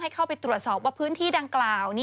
เข้าไปตรวจสอบว่าพื้นที่ดังกล่าว